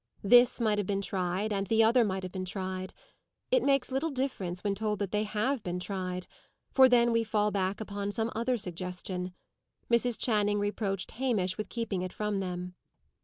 "This might have been tried, and the other might have been tried." It makes little difference when told that they have been tried; for then we fall back upon some other suggestion. Mrs. Channing reproached Hamish with keeping it from them.